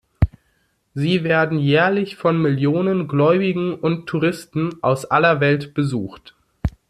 Sie werden jährlich von Millionen Gläubigen und Touristen aus aller Welt besucht.